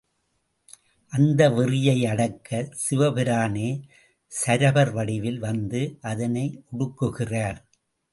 அந்த வெறியை அடக்க சிவபிரானே சரபர் வடிவில் வந்து அதனை ஒடுக்குகிறார்.